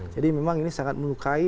jadi memang ini sangat melukai